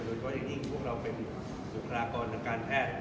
โดยก็อย่างยิ่งพวกเราเป็นบุคลากรทางการแพทย์